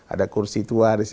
ada kursi tua ada kursi kursi